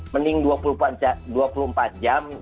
mending dua puluh empat jam